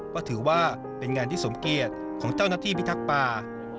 ก็ถือว่าเป็นงานที่สมเกียจของเจ้าหน้าที่พิทักษ์ป่า